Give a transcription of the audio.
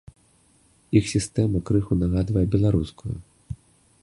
Іх сістэма крыху нагадвае беларускую.